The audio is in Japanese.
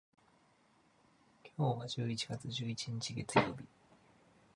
今日は十一月十一日、月曜日。